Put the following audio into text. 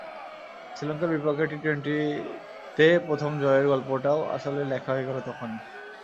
শ্রীলঙ্কার বিপক্ষে টি-টোয়েন্টিতে প্রথম জয়ের গল্পটাও আসলে লেখা হয়ে গেল তখনই।